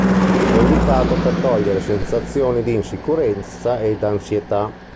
È indicato per togliere sensazioni di insicurezza ed ansietà.